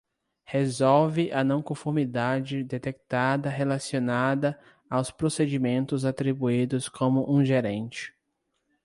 Resolve a não conformidade detectada relacionada aos procedimentos atribuídos como um gerente.